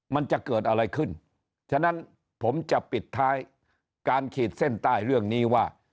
มันจะเกิดอะไรขึ้นฉะนั้นผมจะปิดท้ายการขีดเส้นใต้เรื่องนี้ว่า